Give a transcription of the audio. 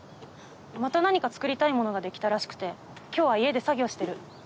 また何か作りたいものができたらしくて今日は家で作業してる。